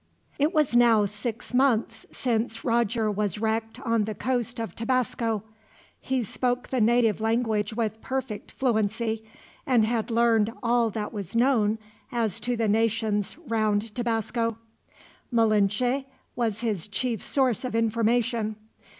It was now six months since Roger was wrecked on the coast of Tabasco, he spoke the native language with perfect fluency, and had learned all that was known as to the nations round Tabasco. Malinche was his chief source of information.